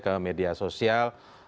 ke media sosial